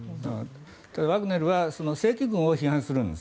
ワグネルは正規軍を批判するんです。